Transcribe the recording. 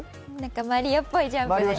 マリオっぽいジャンプ。